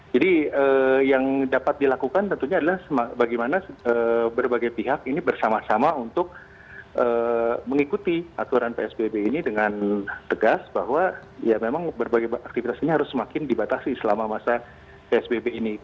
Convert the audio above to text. jadi yang dapat dilakukan tentunya adalah bagaimana berbagai pihak ini bersama sama untuk mengikuti aturan psbb ini dengan tegas bahwa ya memang berbagai aktivitas ini harus semakin dibatasi selama masa psbb ini